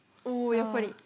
おおやっぱり。